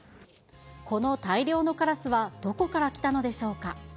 この大量のカラスは、どこから来たのでしょうか。